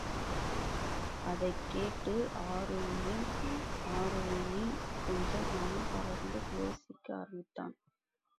அதைக் கேட்டு ஆருணியும் கொஞ்சம் மனம் தளர்ந்து யோசிக்க ஆரம்பித்தான்.